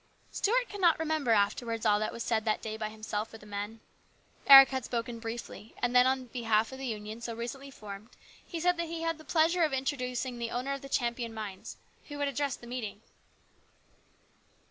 Stuart could not remember afterwards all that was said that day by himself or the men. Eric had spoken briefly, and then in behalf of the Union so recently formed he said that he had the pleasure of introducing the owner of the Champion mines, who would address the meeting.